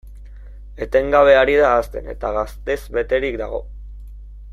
Etengabe ari da hazten, eta gaztez beterik dago.